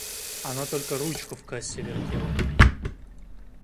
Она только ручку в кассе вертела.